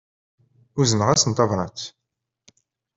Uzneɣ-asen tabrat.